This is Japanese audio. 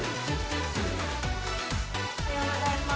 おはようございます。